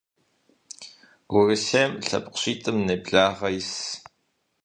Урысейм лъэпкъ щитӏым нэблагъэ исщ.